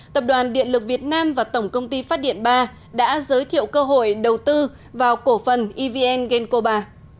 tập đoàn điện lực việt nam và tổng công ty phát điện ba đã giới thiệu cơ hội đầu tư vào cổ phần evn genco bà